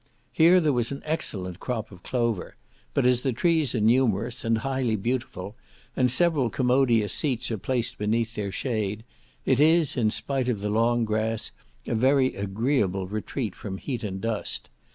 Here there was an excellent crop of clover; but as the trees are numerous, and highly beautiful, and several commodious seats are placed beneath their shade, it is, in spite of the long grass, a very agreeable retreat from heat and dust.